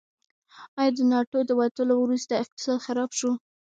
آیا د ناټو د وتلو وروسته اقتصاد خراب شو؟